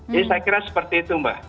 jadi saya kira seperti itu mba